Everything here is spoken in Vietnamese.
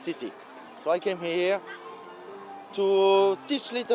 vì vậy tôi đến đây để học một chút